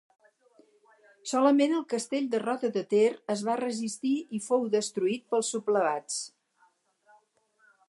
Solament el castell de Roda de Ter es va resistir i fou destruït pels sublevats.